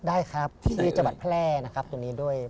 ได้ครับที่จังหวัดแพร่นะครับตัวนี้ด้วย